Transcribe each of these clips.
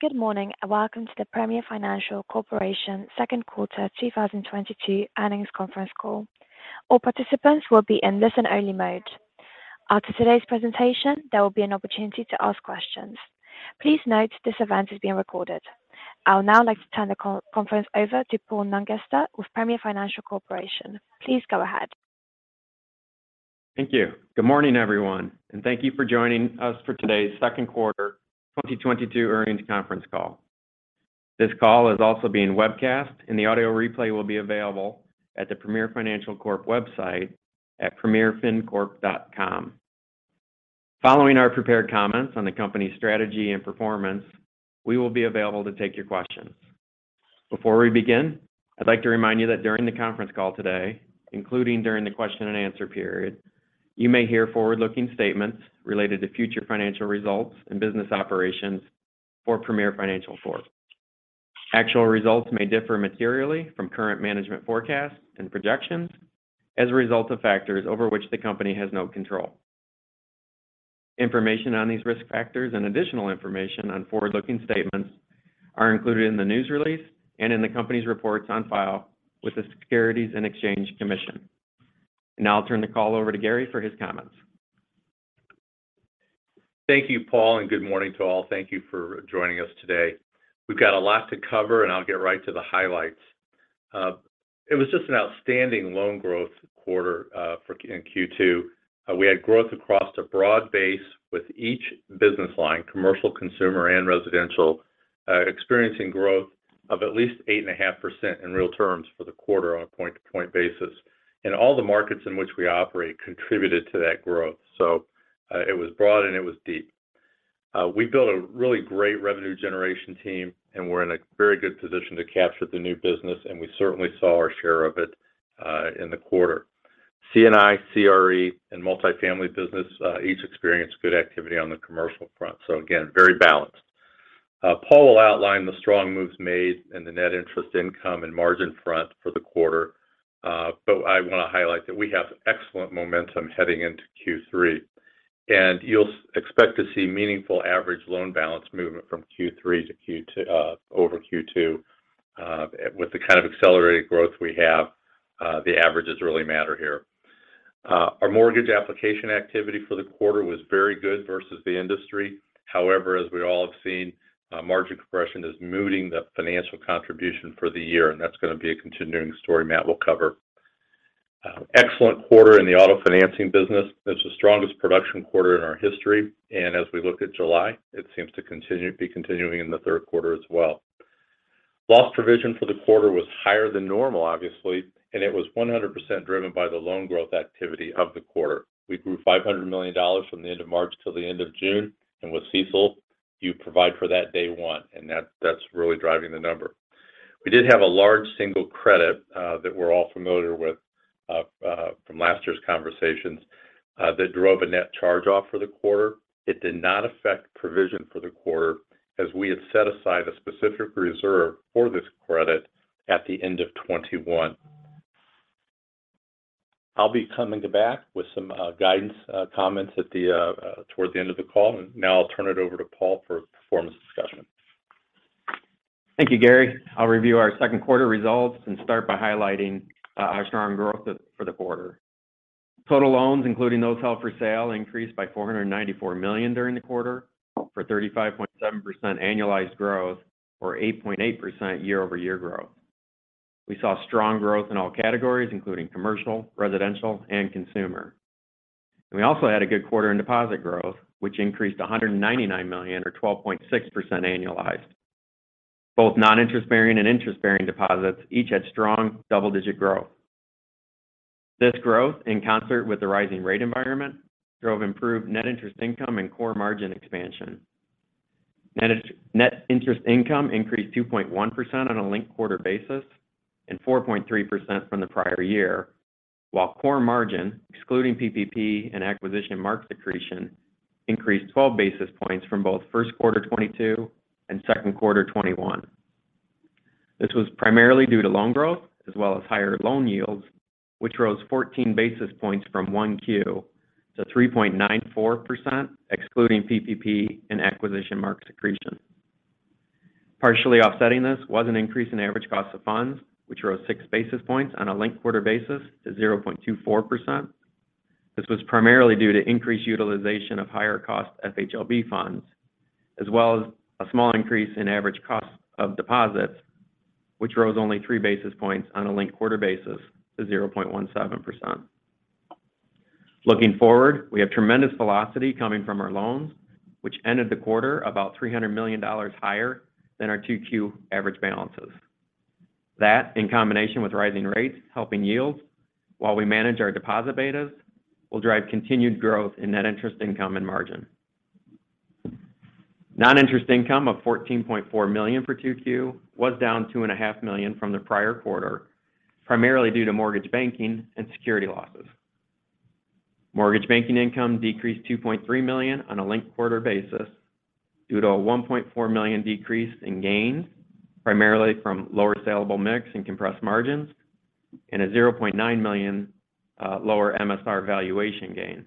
Good morning and welcome to the Premier Financial Corporation second quarter 2022 earnings conference call. All participants will be in listen-only mode. After today's presentation, there will be an opportunity to ask questions. Please note this event is being recorded. I'll now like to turn the conference over to Paul Nungester with Premier Financial Corporation. Please go ahead. Thank you. Good morning, everyone, and thank you for joining us for today's second quarter 2022 earnings conference call. This call is also being webcast, and the audio replay will be available at the Premier Financial Corp website at premierfincorp.com. Following our prepared comments on the company's strategy and performance, we will be available to take your questions. Before we begin, I'd like to remind you that during the conference call today, including during the question and answer period, you may hear forward-looking statements related to future financial results and business operations for Premier Financial Corp. Actual results may differ materially from current management forecasts and projections as a result of factors over which the company has no control. Information on these risk factors and additional information on forward-looking statements are included in the news release and in the company's reports on file with the Securities and Exchange Commission. Now I'll turn the call over to Gary for his comments. Thank you, Paul, and good morning to all. Thank you for joining us today. We've got a lot to cover, and I'll get right to the highlights. It was just an outstanding loan growth quarter in Q2. We had growth across a broad base with each business line, commercial, consumer, and residential, experiencing growth of at least 8.5% in real terms for the quarter on a point-to-point basis. All the markets in which we operate contributed to that growth. It was broad and it was deep. We built a really great revenue generation team, and we're in a very good position to capture the new business, and we certainly saw our share of it in the quarter. C&I, CRE, and Multifamily business each experienced good activity on the commercial front. Again, very balanced. Paul will outline the strong moves made in the net interest income and margin front for the quarter. I want to highlight that we have excellent momentum heading into Q3, and you'll expect to see meaningful average loan balance movement from Q3 over Q2. With the kind of accelerated growth we have, the averages really matter here. Our mortgage application activity for the quarter was very good versus the industry. However, as we all have seen, margin compression is muting the financial contribution for the year, and that's going to be a continuing story Matt will cover. Excellent quarter in the Auto Financing business. It's the strongest production quarter in our history, and as we look at July, it seems to be continuing in the third quarter as well. Loss provision for the quarter was higher than normal, obviously, and it was 100% driven by the loan growth activity of the quarter. We grew $500 million from the end of March till the end of June, and with CECL, you provide for that day one, and that's really driving the number. We did have a large single credit that we're all familiar with from last year's conversations that drove a net charge-off for the quarter. It did not affect provision for the quarter as we had set aside a specific reserve for this credit at the end of 2021. I'll be coming back with some guidance comments towards the end of the call. Now I'll turn it over to Paul for performance discussion. Thank you, Gary. I'll review our second quarter results and start by highlighting our strong growth for the quarter. Total loans, including those held for sale, increased by $494 million during the quarter for 35.7% annualized growth or 8.8% year-over-year growth. We saw strong growth in all categories, including commercial, residential, and consumer. We also had a good quarter in deposit growth, which increased $199 million or 12.6% annualized. Both non-interest bearing and interest-bearing deposits each had strong double-digit growth. This growth, in concert with the rising rate environment, drove improved net interest income and core margin expansion. Net interest income increased 2.1% on a linked-quarter basis and 4.3% from the prior year, while core margin, excluding PPP and acquisition mark accretion, increased 12 basis points from both first quarter 2022 and second quarter 2021. This was primarily due to loan growth as well as higher loan yields, which rose 14 basis points from 1Q to 3.94%, excluding PPP and acquisition mark accretion. Partially offsetting this was an increase in average cost of funds, which rose 6 basis points on a linked-quarter basis to 0.24%. This was primarily due to increased utilization of higher-cost FHLB funds, as well as a small increase in average cost of deposits, which rose only 3 basis points on a linked-quarter basis to 0.17%. Looking forward, we have tremendous velocity coming from our loans, which ended the quarter about $300 million higher than our 2Q average balances. That, in combination with rising rates helping yields while we manage our deposit betas, will drive continued growth in net interest income and margin. Non-interest income of $14.4 million for 2Q was down $2.5 million from the prior quarter, primarily due to mortgage banking and security losses. Mortgage banking income decreased $2.3 million on a linked-quarter basis due to a $1.4 million decrease in gains, primarily from lower saleable mix and compressed margins, and a $0.9 million lower MSR valuation gain.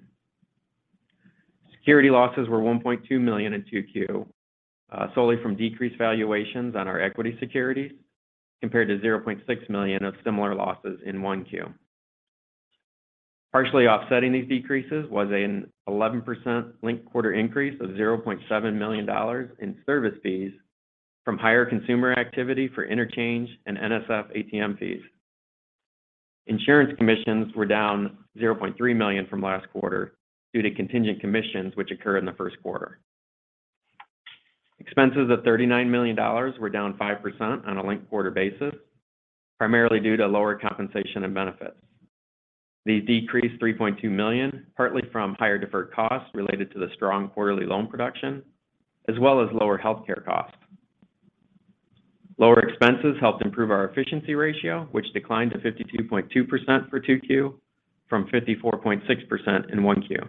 Security losses were $1.2 million in 2Q solely from decreased valuations on our equity securities compared to $0.6 million of similar losses in 1Q. Partially offsetting these decreases was an 11% linked quarter increase of $0.7 million in service fees from higher consumer activity for interchange and NSF ATM fees. Insurance commissions were down $0.3 million from last quarter due to contingent commissions which occur in the first quarter. Expenses of $39 million were down 5% on a linked quarter basis, primarily due to lower compensation and benefits. These decreased $3.2 million, partly from higher deferred costs related to the strong quarterly loan production as well as lower healthcare costs. Lower expenses helped improve our efficiency ratio, which declined to 52.2% for 2Q from 54.6% in 1Q.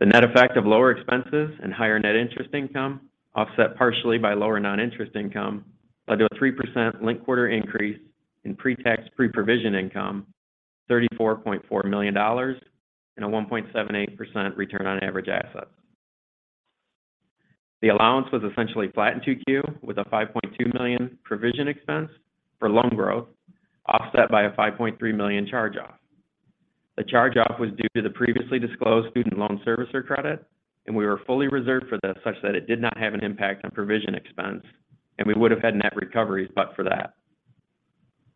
The net effect of lower expenses and higher net interest income offset partially by lower non-interest income led to a 3% linked-quarter increase in pre-tax, pre-provision income, $34.4 million and a 1.78% return on average assets. The allowance was essentially flat in 2Q with a $5.2 million provision expense for loan growth offset by a $5.3 million charge-off. The charge-off was due to the previously disclosed student loan servicer credit, and we were fully reserved for this such that it did not have an impact on provision expense, and we would have had net recoveries but for that.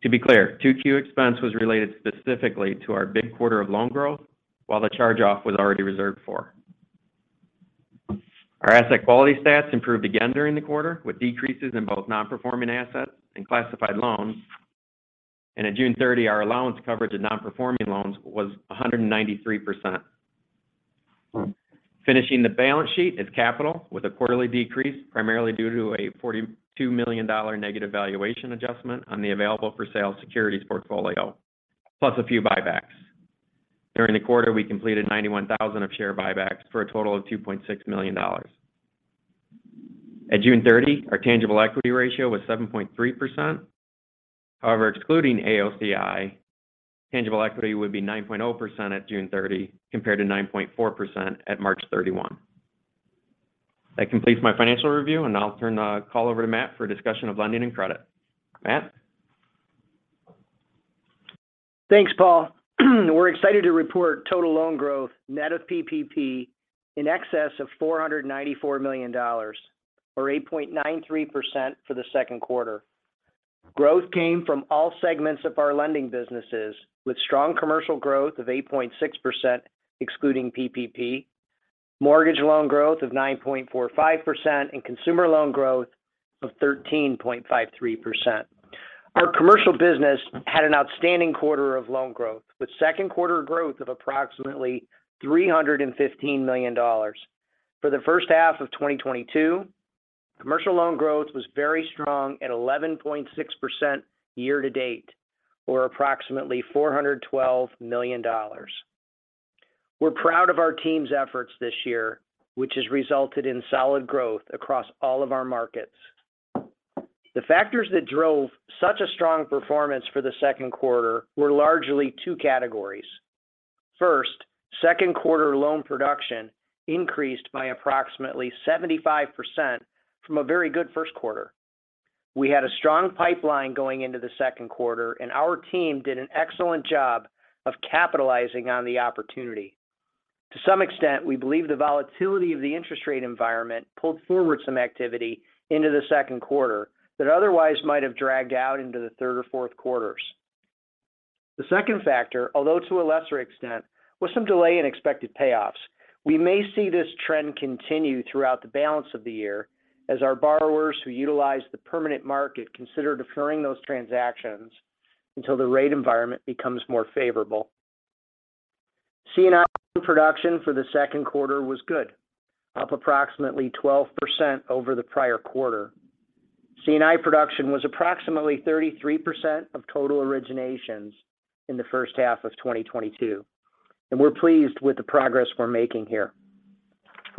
To be clear, 2Q expense was related specifically to our big quarter of loan growth while the charge-off was already reserved for. Our asset quality stats improved again during the quarter with decreases in both non-performing assets and classified loans. At June 30, our allowance coverage of non-performing loans was 193%. Finishing the balance sheet is capital with a quarterly decrease, primarily due to a $42 million negative valuation adjustment on the available for sale securities portfolio, plus a few buybacks. During the quarter, we completed 91,000 of share buybacks for a total of $2.6 million. At June 30, our tangible equity ratio was 7.3%. However, excluding AOCI, tangible equity would be 9.0% at June 30 compared to 9.4% at March 31. That completes my financial review, and I'll turn the call over to Matt for a discussion of lending and credit. Matt? Thanks, Paul. We're excited to report total loan growth net of PPP in excess of $494 million or 8.93% for the second quarter. Growth came from all segments of our Lending businesses with strong commercial growth of 8.6% excluding PPP, mortgage loan growth of 9.45%, and consumer loan growth of 13.53%. Our Commercial business had an outstanding quarter of loan growth with second quarter growth of approximately $315 million. For the first half of 2022, Commercial loan growth was very strong at 11.6% year to date or approximately $412 million. We're proud of our team's efforts this year, which has resulted in solid growth across all of our markets. The factors that drove such a strong performance for the second quarter were largely two categories. First, second quarter loan production increased by approximately 75% from a very good first quarter. We had a strong pipeline going into the second quarter, and our team did an excellent job of capitalizing on the opportunity. To some extent, we believe the volatility of the interest rate environment pulled forward some activity into the second quarter that otherwise might have dragged out into the third or fourth quarters. The second factor, although to a lesser extent, was some delay in expected payoffs. We may see this trend continue throughout the balance of the year as our borrowers who utilize the permanent market consider deferring those transactions until the rate environment becomes more favorable. C&I production for the second quarter was good, up approximately 12% over the prior quarter. C&I production was approximately 33% of total originations in the first half of 2022, and we're pleased with the progress we're making here.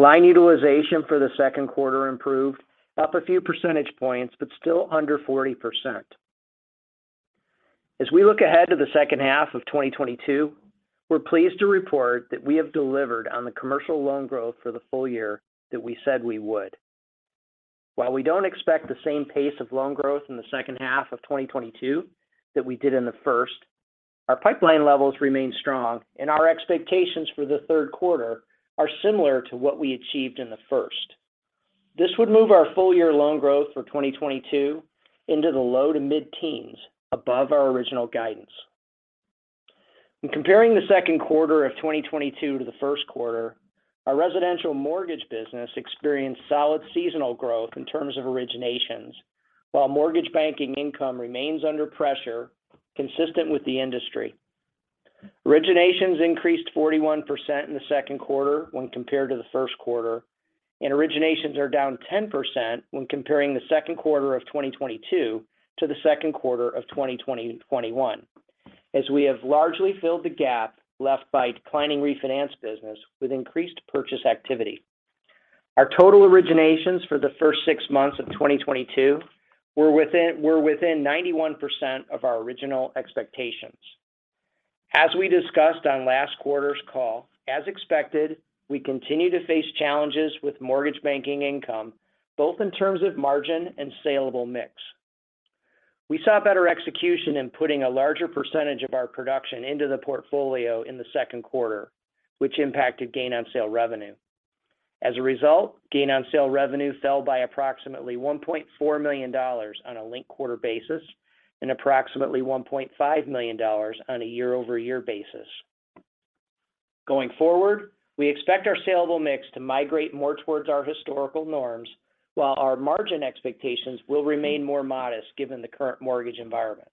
Line utilization for the second quarter improved, up a few percentage points, but still under 40%. As we look ahead to the second half of 2022, we're pleased to report that we have delivered on the Commercial loan growth for the full year that we said we would. While we don't expect the same pace of loan growth in the second half of 2022 that we did in the first, our pipeline levels remain strong and our expectations for the third quarter are similar to what we achieved in the first. This would move our full-year loan growth for 2022 into the low- to mid-teens above our original guidance. When comparing the second quarter of 2022 to the first quarter, our residential mortgage business experienced solid seasonal growth in terms of originations while mortgage banking income remains under pressure consistent with the industry. Originations increased 41% in the second quarter when compared to the first quarter, and originations are down 10% when comparing the second quarter of 2022 to the second quarter of 2021, as we have largely filled the gap left by declining refinance business with increased purchase activity. Our total originations for the first six months of 2022 were within 91% of our original expectations. As we discussed on last quarter's call, as expected, we continue to face challenges with mortgage banking income, both in terms of margin and saleable mix. We saw better execution in putting a larger percentage of our production into the portfolio in the second quarter, which impacted gain on sale revenue. As a result, gain on sale revenue fell by approximately $1.4 million on a linked-quarter basis and approximately $1.5 million on a year-over-year basis. Going forward, we expect our saleable mix to migrate more towards our historical norms, while our margin expectations will remain more modest given the current mortgage environment.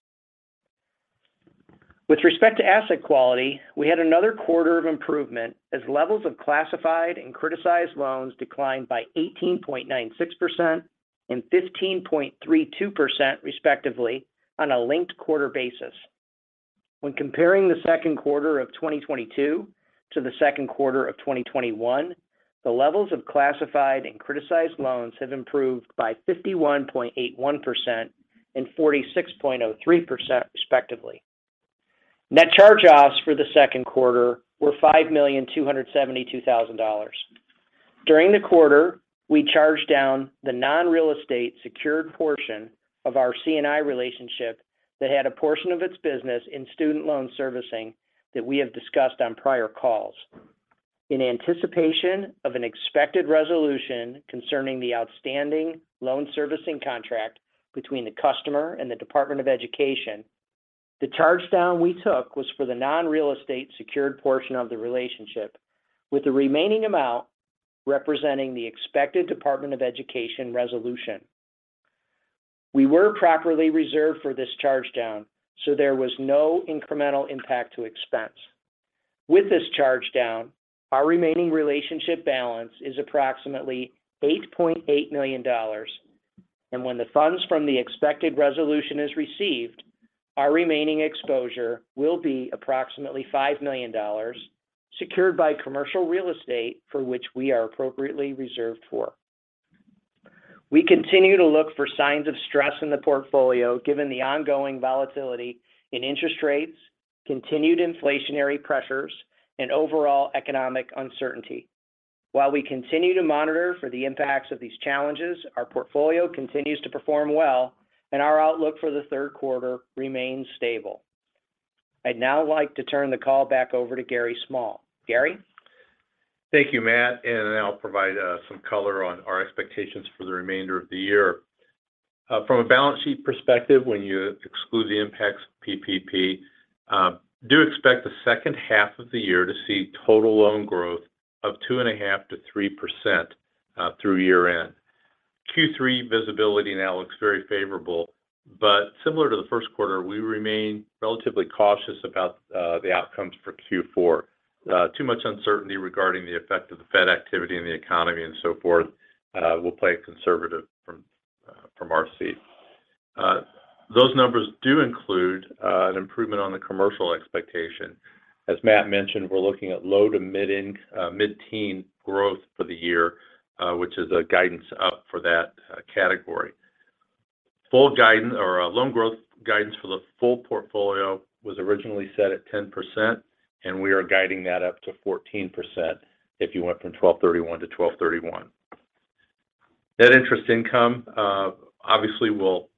With respect to asset quality, we had another quarter of improvement as levels of classified and criticized loans declined by 18.96% and 15.32% respectively on a linked-quarter basis. When comparing the second quarter of 2022 to the second quarter of 2021, the levels of classified and criticized loans have improved by 51.81% and 46.03% respectively. Net charge-offs for the second quarter were $5,272 million. During the quarter, we charged down the non-real estate secured portion of our C&I relationship that had a portion of its business in student loan servicing that we have discussed on prior calls. In anticipation of an expected resolution concerning the outstanding loan servicing contract between the customer and the U.S. Department of Education, the charge down we took was for the non-real estate secured portion of the relationship, with the remaining amount representing the expected U.S. Department of Education resolution. We were properly reserved for this charge down, so there was no incremental impact to expense. With this charge down, our remaining relationship balance is approximately $8.8 million. When the funds from the expected resolution is received, our remaining exposure will be approximately $5 million secured by commercial real estate for which we are appropriately reserved for. We continue to look for signs of stress in the portfolio given the ongoing volatility in interest rates, continued inflationary pressures, and overall economic uncertainty. While we continue to monitor for the impacts of these challenges, our portfolio continues to perform well, and our outlook for the third quarter remains stable. I'd now like to turn the call back over to Gary Small. Gary? Thank you, Matt, and I'll provide some color on our expectations for the remainder of the year. From a balance sheet perspective, when you exclude the impacts of PPP, do expect the second half of the year to see total loan growth of 2.5%-3% through year-end. Q3 visibility now looks very favorable, but similar to the first quarter, we remain relatively cautious about the outcomes for Q4. Too much uncertainty regarding the effect of the Fed activity and the economy and so forth, we'll play it conservative from our seat. Those numbers do include an improvement on the commercial expectation. As Matt mentioned, we're looking at low- to mid-teens growth for the year, which is a guidance up for that category. Full guidance or loan growth guidance for the full portfolio was originally set at 10%, and we are guiding that up to 14% if you went from 12/31 to 12/31. Net interest income obviously will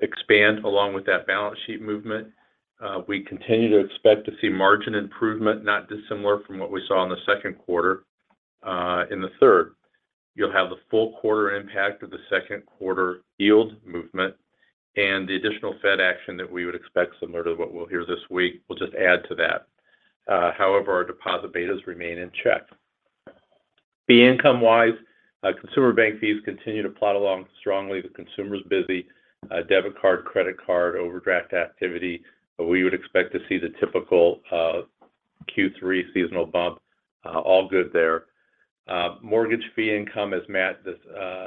expand along with that balance sheet movement. We continue to expect to see margin improvement not dissimilar from what we saw in the second quarter in the third. You'll have the full quarter impact of the second quarter yield movement and the additional Fed action that we would expect similar to what we'll hear this week. We'll just add to that. However, our deposit betas remain in check. Fee income-wise, consumer bank fees continue to plod along strongly. The consumer's busy debit card, credit card, overdraft activity, but we would expect to see the typical Q3 seasonal bump, all good there. Mortgage Fee Income, as Matt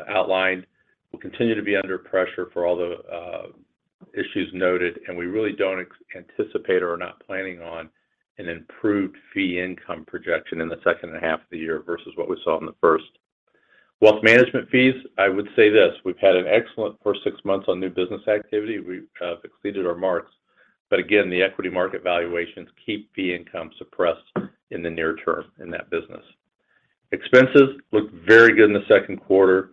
outlined, will continue to be under pressure for all the issues noted, and we really don't anticipate or are not planning on an improved fee income projection in the second half of the year versus what we saw in the first half. Wealth management fees, I would say this, we've had an excellent first six months on new business activity. We've exceeded our marks. Again, the equity market valuations keep fee income suppressed in the near term in that business. Expenses looked very good in the second quarter.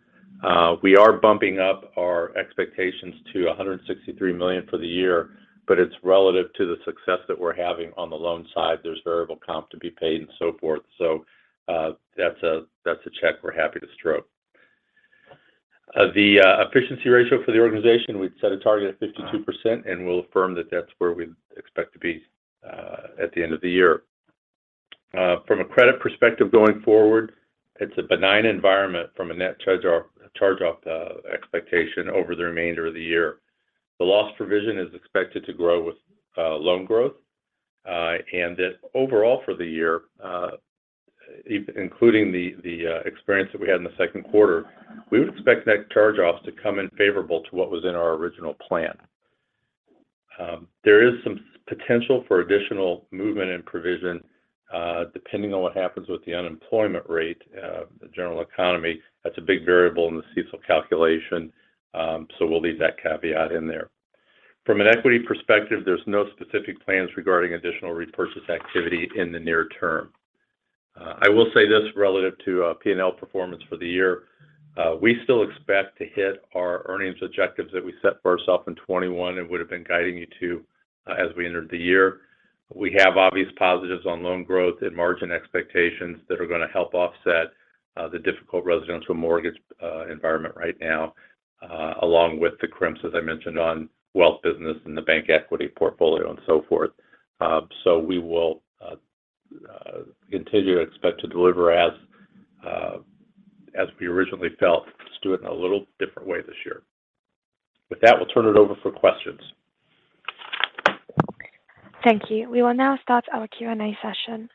We are bumping up our expectations to $163 million for the year, but it's relative to the success that we're having on the loan side. There's variable comp to be paid and so forth. That's a check we're happy to stroke. The efficiency ratio for the organization, we'd set a target of 52%, and we'll affirm that that's where we expect to be at the end of the year. From a credit perspective going forward, it's a benign environment from a net charge-off expectation over the remainder of the year. The loss provision is expected to grow with loan growth, and that overall for the year, including the experience that we had in the second quarter, we would expect net charge-offs to come in favorable to what was in our original plan. There is some potential for additional movement and provision, depending on what happens with the unemployment rate, the general economy. That's a big variable in the CECL calculation, so we'll leave that caveat in there. From an equity perspective, there's no specific plans regarding additional repurchase activity in the near term. I will say this relative to P&L performance for the year. We still expect to hit our earnings objectives that we set for ourself in 2021 and would have been guiding you to as we entered the year. We have obvious positives on loan growth and margin expectations that are going to help offset the difficult residential mortgage environment right now along with the crimps, as I mentioned, on wealth business and the bank equity portfolio and so forth. We will continue to expect to deliver as we originally felt. Just do it in a little different way this year. With that, we'll turn it over for questions. Thank you. We will now start our Q&A session.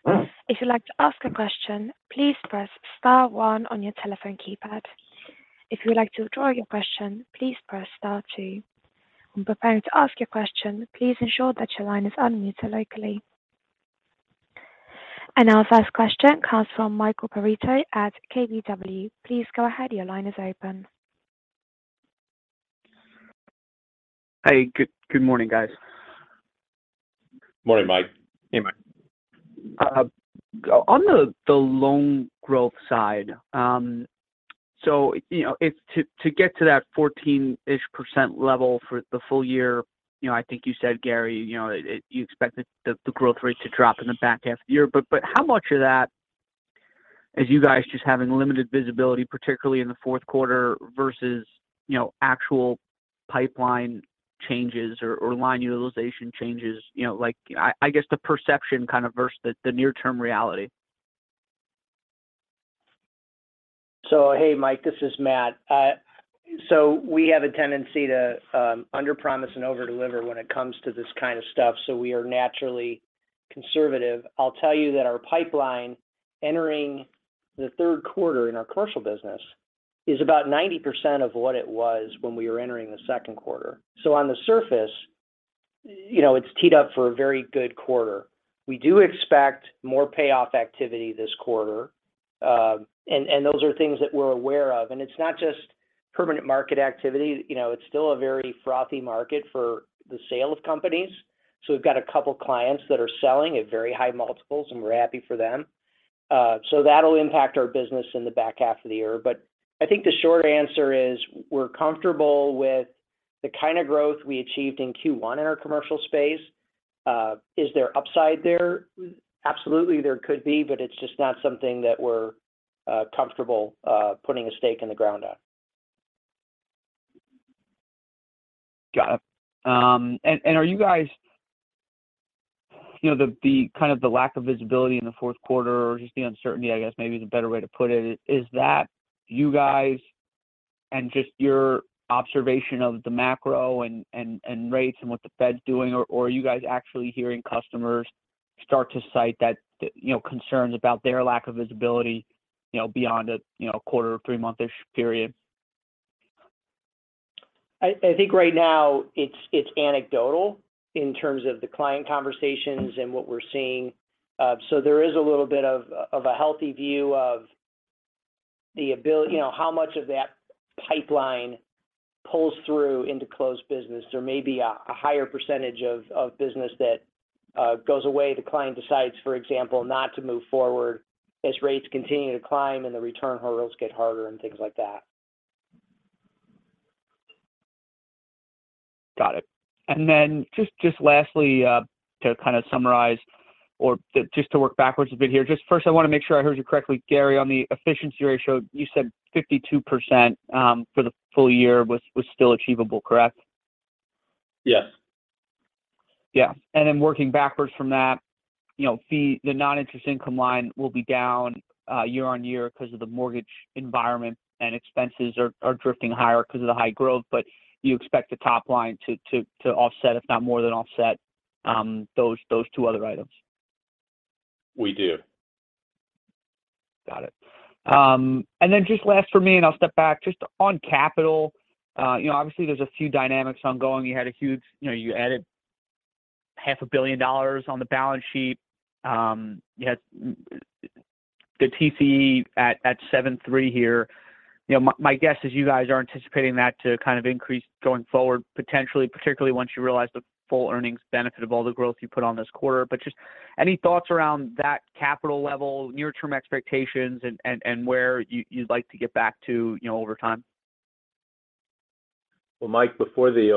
If you'd like to ask a question, please press star one on your telephone keypad. If you'd like to withdraw your question, please press star two. When preparing to ask your question, please ensure that your line is unmuted locally. Our first question comes from Michael Perito at KBW. Please go ahead. Your line is open. Hey. Good morning, guys. Morning, Mike. Hey, Mike. On the loan growth side, you know, it's to get to that 14-ish% level for the full year, you know, I think you said, Gary, you know, it you expected the growth rate to drop in the back half of the year. How much of that is you guys just having limited visibility, particularly in the fourth quarter versus, you know, actual pipeline changes or line utilization changes, you know? Like I guess the perception kind of versus the near-term reality? Hey, Mike, this is Matt. We have a tendency to underpromise and overdeliver when it comes to this kind of stuff. We are naturally conservative. I'll tell you that our pipeline entering the third quarter in our Commercial business is about 90% of what it was when we were entering the second quarter. On the surface, you know, it's teed up for a very good quarter. We do expect more payoff activity this quarter. And those are things that we're aware of. It's not just permanent market activity. You know, it's still a very frothy market for the sale of companies. We've got a couple clients that are selling at very high multiples, and we're happy for them. That'll impact our business in the back half of the year. I think the short answer is we're comfortable with the kind of growth we achieved in Q1 in our Commercial space. Is there upside there? Absolutely, there could be, but it's just not something that we're comfortable putting a stake in the ground on. Got it. Are you guys, you know, the kind of lack of visibility in the fourth quarter or just the uncertainty, I guess maybe is a better way to put it? Is that you guys and just your observation of the macro and rates and what the Fed's doing, or are you guys actually hearing customers start to cite that, you know, concerns about their lack of visibility, you know, beyond a, you know, a quarter or three-month-ish period? I think right now it's anecdotal in terms of the client conversations and what we're seeing. There is a little bit of a healthy view of the ability, you know, how much of that pipeline pulls through into closed business or maybe a higher percentage of business that goes away. The client decides, for example, not to move forward as rates continue to climb and the return hurdles get harder and things like that. Got it. Then just lastly, to kind of summarize or just to work backwards a bit here. Just first I want to make sure I heard you correctly, Gary, on the efficiency ratio. You said 52%, for the full year was still achievable, correct? Yes. Yeah. Working backwards from that, you know, the non-interest income line will be down year-over-year because of the mortgage environment and expenses are drifting higher because of the high growth. You expect the top line to offset, if not more than offset, those two other items. We do. Got it. Just last for me, and I'll step back. Just on capital, you know, obviously there's a few dynamics ongoing. You know, you added half a billion dollars on the balance sheet. You had the TCE at 7.3% here. You know, my guess is you guys are anticipating that to kind of increase going forward potentially, particularly once you realize the full earnings benefit of all the growth you put on this quarter. Just any thoughts around that capital level, near-term expectations and where you'd like to get back to, you know, over time? Well, Mike, before the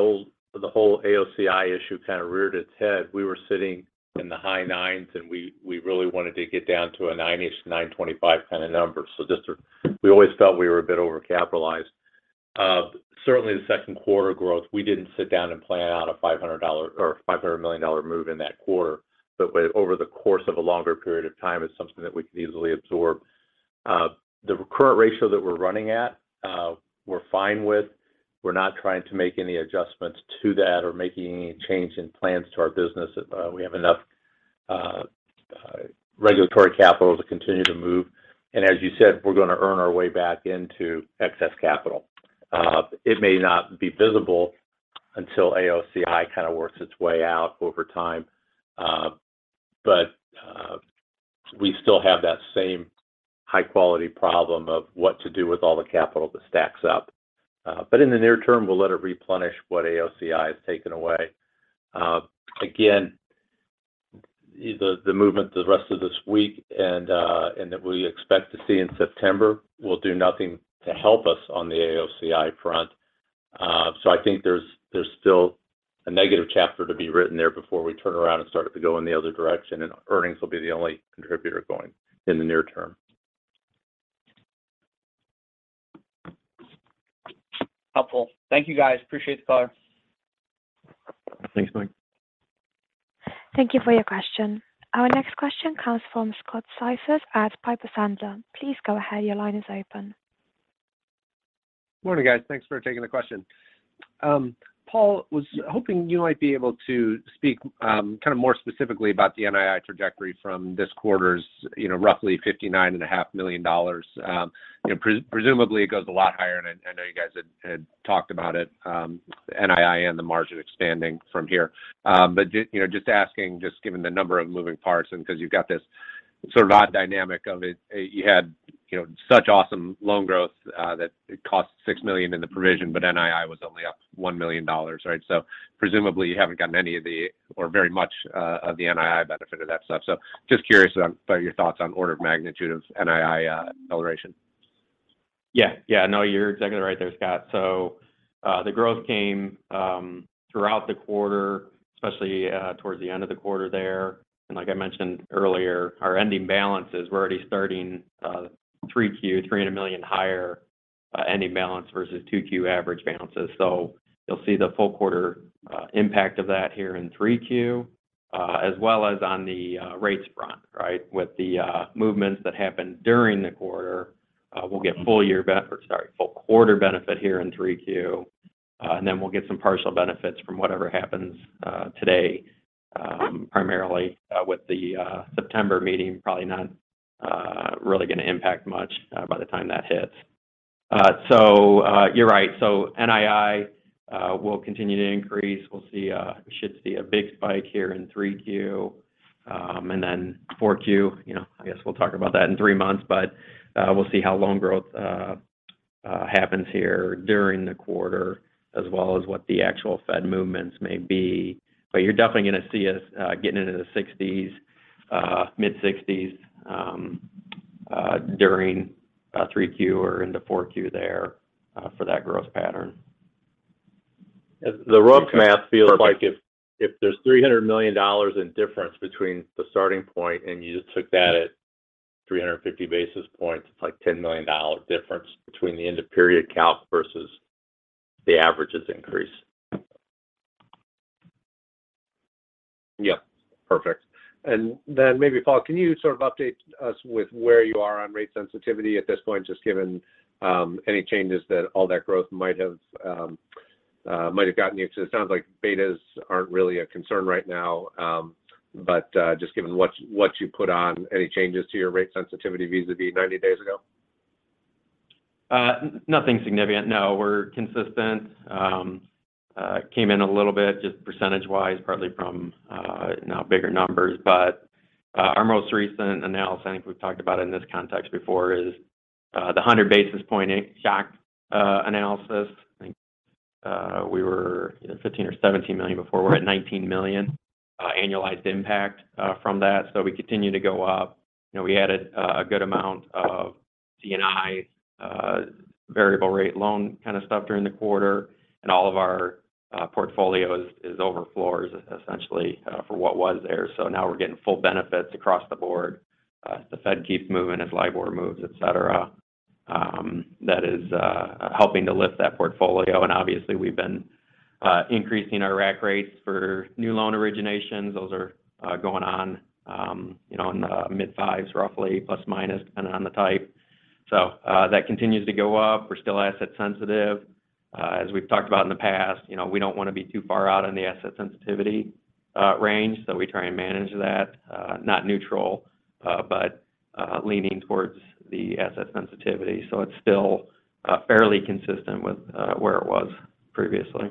whole AOCI issue kind of reared its head, we were sitting in the high 9s, and we really wanted to get down to a 9%-ish, 9.25% kind of number. We always felt we were a bit overcapitalized. Certainly the second quarter growth, we didn't sit down and plan out a $500 million move in that quarter. Over the course of a longer period of time, it's something that we could easily absorb. The current ratio that we're running at, we're fine with. We're not trying to make any adjustments to that or making any change in plans to our business. We have enough regulatory capital to continue to move. As you said, we're going to earn our way back into excess capital. It may not be visible until AOCI kind of works its way out over time. We still have that same high-quality problem of what to do with all the capital that stacks up. In the near term, we'll let it replenish what AOCI has taken away. Again, the movement the rest of this week and that we expect to see in September will do nothing to help us on the AOCI front. I think there's still a negative chapter to be written there before we turn around and start to go in the other direction, and earnings will be the only contributor going in the near term. Helpful. Thank you, guys. Appreciate the call. Thanks, Mike. Thank you for your question. Our next question comes from Scott Siefers at Piper Sandler. Please go ahead. Your line is open. Morning, guys. Thanks for taking the question. Paul, was hoping you might be able to speak, kind of more specifically about the NII trajectory from this quarter's, you know, roughly $59.5 million. You know, presumably, it goes a lot higher, and I know you guys had talked about it, NII and the margin expanding from here. But you know, just asking, just given the number of moving parts and because you've got this sort of odd dynamic of it, you had, you know, such awesome loan growth, that it cost $6 million in the provision, but NII was only up $1 million, right? Presumably, you haven't gotten any of the or very much of the NII benefit of that stuff. Just curious on your thoughts on order of magnitude of NII acceleration. Yeah. No, you're exactly right there, Scott. The growth came throughout the quarter, especially towards the end of the quarter there. Like I mentioned earlier, our ending balances, we're already starting 3Q, $300 million higher, ending balance versus 2Q average balances. You'll see the full quarter impact of that here in 3Q, as well as on the rates front, right? With the movements that happened during the quarter, we'll get full quarter benefit here in 3Q. We'll get some partial benefits from whatever happens today, primarily with the September meeting, probably not really going to impact much by the time that hits. You're right. NII will continue to increase. We should see a big spike here in 3Q. Then 4Q, you know, I guess we'll talk about that in three months. We'll see how loan growth happens here during the quarter as well as what the actual Fed movements may be. You're definitely going to see us getting into the 60s, mid-60s, during 3Q or into 4Q there, for that growth pattern. The rough math feels like if there's $300 million in difference between the starting point and you just took that at 350 basis points, it's like $10 million difference between the end of period calc versus the averages increase. Yeah. Perfect. Then maybe, Paul, can you sort of update us with where you are on rate sensitivity at this point, just given any changes that all that growth might have gotten you? Because it sounds like betas aren't really a concern right now. Just given what you put on any changes to your rate sensitivity vis-à-vis 90 days ago. Nothing significant. No, we're consistent. Came in a little bit just percentage-wise, partly from now bigger numbers. Our most recent analysis, I think we've talked about in this context before, is the 100 basis point shock analysis. I think we were, you know, $15 million or $17 million before. We're at $19 million annualized impact from that. We continue to go up. You know, we added a good amount of C&I variable rate loan kind of stuff during the quarter. All of our portfolios is over floors essentially for what was there. Now we're getting full benefits across the board. The Fed keeps moving as LIBOR moves, et cetera. That is helping to lift that portfolio. Obviously, we've been increasing our rack rates for new loan originations. Those are going on, you know, in the mid-fives, roughly ±, depending on the type. That continues to go up. We're still asset sensitive. As we've talked about in the past, you know, we don't want to be too far out on the asset sensitivity range, so we try and manage that. Not neutral, but leaning towards the asset sensitivity. It's still fairly consistent with where it was previously.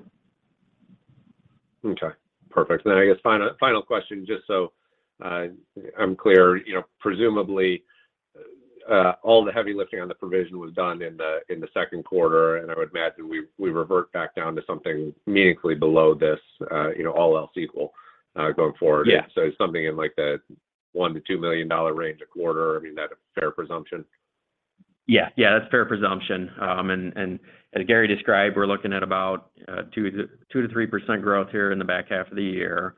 Okay. Perfect. I guess final question, just so I'm clear. You know, presumably, all the heavy lifting on the provision was done in the second quarter. I would imagine we revert back down to something meaningfully below this, you know, all else equal, going forward. Yeah. Something in like the $1 million-$2 million range a quarter. I mean, is that a fair presumption? Yeah, that's a fair presumption. As Gary described, we're looking at about 2%-3% growth here in the back half of the year.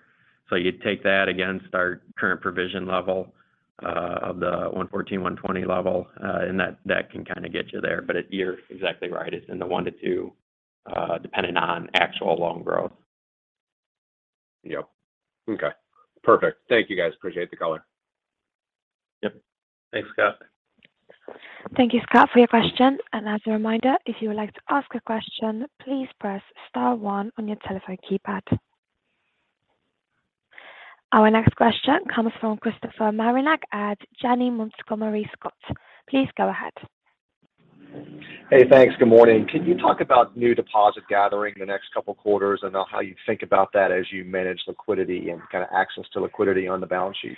You'd take that against our current provision level of the $114-$120 level, and that can kind of get you there. You're exactly right. It's in the $1-$2, depending on actual loan growth. Yep. Okay. Perfect. Thank you, guys. Appreciate the color. Yep. Thanks, Scott. Thank you, Scott, for your question. As a reminder, if you would like to ask a question, please press star one on your telephone keypad. Our next question comes from Christopher Marinac at Janney Montgomery Scott. Please go ahead. Hey, thanks. Good morning. Can you talk about new deposit gathering the next couple quarters, and how you think about that as you manage liquidity and kind of access to liquidity on the balance sheet?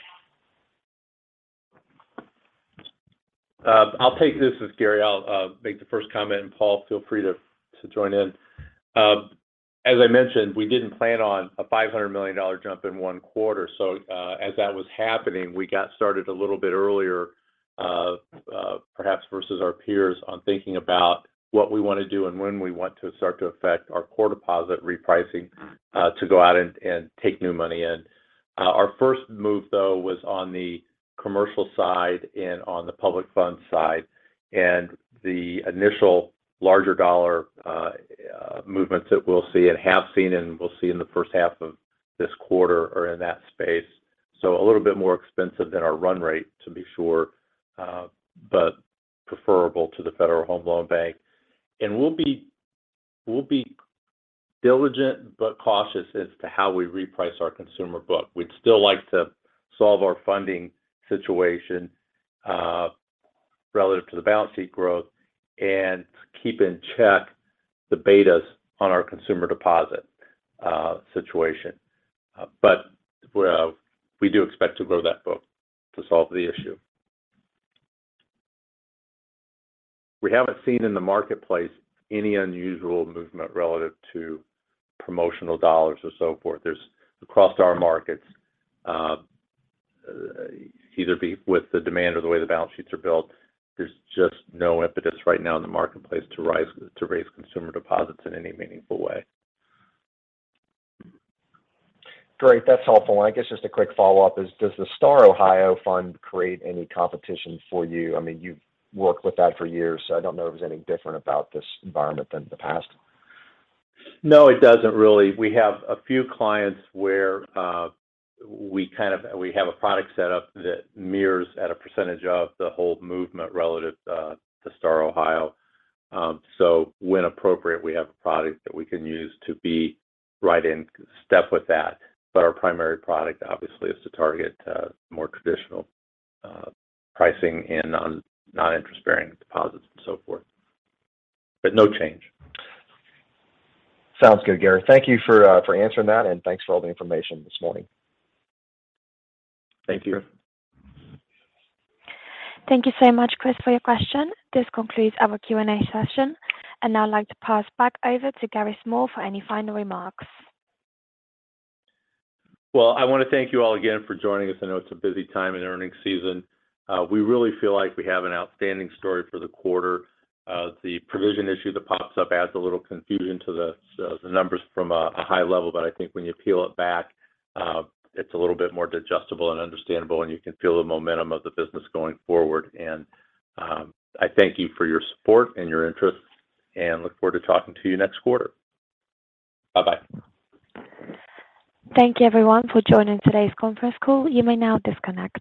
I'll take this. This is Gary. I'll make the first comment, and Paul, feel free to join in. As I mentioned, we didn't plan on a $500 million jump in one quarter, so as that was happening, we got started a little bit earlier, perhaps versus our peers on thinking about what we wanna do and when we want to start to affect our core deposit repricing, to go out and take new money in. Our first move, though, was on the commercial side and on the public funds side. The initial larger dollar movements that we'll see and have seen and will see in the first half of this quarter are in that space. A little bit more expensive than our run rate to be sure, but preferable to the Federal Home Loan Bank. We'll be diligent but cautious as to how we reprice our consumer book. We'd still like to solve our funding situation relative to the balance sheet growth and keep in check the betas on our consumer deposit situation. We do expect to grow that book to solve the issue. We haven't seen in the marketplace any unusual movement relative to promotional dollars or so forth. Across our markets, either with the demand or the way the balance sheets are built, there's just no impetus right now in the marketplace to raise consumer deposits in any meaningful way. Great. That's helpful. I guess just a quick follow-up is, does the STAR Ohio Fund create any competition for you? I mean, you've worked with that for years, so I don't know if there's anything different about this environment than the past? No, it doesn't really. We have a few clients where we have a product set up that mirrors at a percentage of the whole movement relative to STAR Ohio. When appropriate, we have a product that we can use to be right in step with that. But our primary product obviously is to target more traditional pricing and non-interest bearing deposits and so forth. No change. Sounds good, Gary. Thank you for answering that, and thanks for all the information this morning. Thank you. Thank you so much, Chris, for your question. This concludes our Q&A session. I'd now like to pass back over to Gary Small for any final remarks. Well, I wanna thank you all again for joining us. I know it's a busy time in earnings season. We really feel like we have an outstanding story for the quarter. The provision issue that pops up adds a little confusion to the numbers from a high level, but I think when you peel it back, it's a little bit more digestible and understandable, and you can feel the momentum of the business going forward. I thank you for your support and your interest, and look forward to talking to you next quarter. Bye-bye. Thank you, everyone, for joining today's conference call. You may now disconnect.